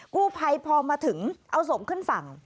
กู้ภัยพอมาถึงเอาศพขึ้นฝั่ง